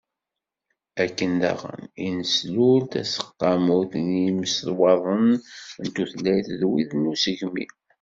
akken daɣen, i d-neslul taseqqamut n yimaswaḍen n tutlayt d wid n usegmi.